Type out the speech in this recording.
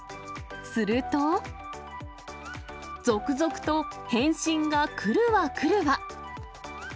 すると、続々と返信が来るわ来るわ。